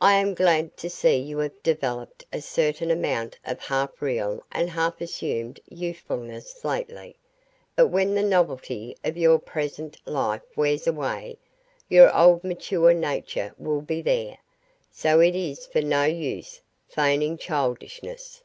I am glad to see you have developed a certain amount of half real and half assumed youthfulness lately, but when the novelty of your present life wears away, your old mature nature will be there, so it is of no use feigning childishness.